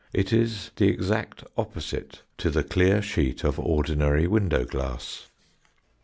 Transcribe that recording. It is the exact opposite to the clear sheet of ordinary window glass.